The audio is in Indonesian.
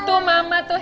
tuh mama tuh